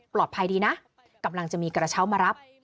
ปลอดภัยดีนะกำลังจะมีกระเช้ามารับ